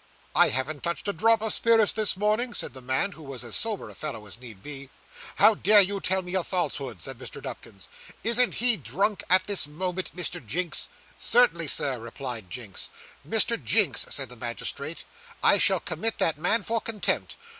'I haven't touched a drop of spirits this morning,' said the man, who was as sober a fellow as need be. 'How dare you tell me a falsehood?' said Mr. Nupkins. 'Isn't he drunk at this moment, Mr. Jinks?' 'Certainly, Sir,' replied Jinks. 'Mr. Jinks,' said the magistrate, 'I shall commit that man for contempt.